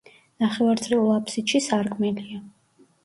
ნახევარწრიულ აფსიდში სარკმელია.